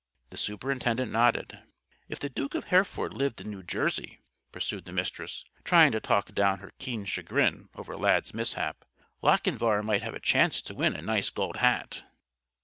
The Superintendent nodded. "If the Duke of Hereford lived in New Jersey," pursued the Mistress, trying to talk down her keen chagrin over Lad's mishap, "Lochinvar might have a chance to win a nice Gold Hat."